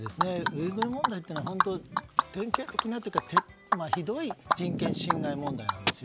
ウイグル問題というのは本当に典型的なというかひどい人権侵害問題なんです。